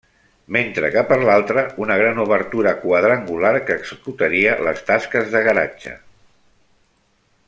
Mentre que per l'altra una gran obertura quadrangular que executaria les tasques de garatge.